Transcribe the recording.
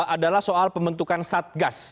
adalah soal pembentukan satgas